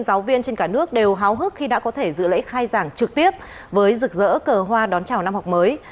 các giáo viên trên cả nước đều háo hức khi đã có thể dự lễ khai giảng trực tiếp với rực rỡ cờ hoa đón chào năm học mới